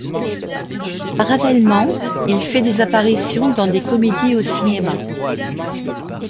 Parallèlement, il fait des apparitions dans des comédies au cinéma.